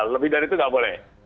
lebih dari itu nggak boleh